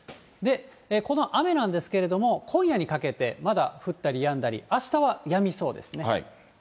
この雨なんですけれども、今夜にかけてまだ降ったりやんだり、あしたはやみそうですね。